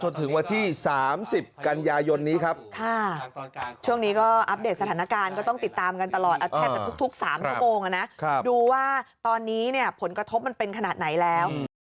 ดูว่าตอนนี้ผลกระทบมันเป็นขนาดไหนแล้ว